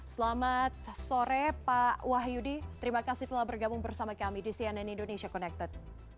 selamat sore pak wahyudi terima kasih telah bergabung bersama kami di cnn indonesia connected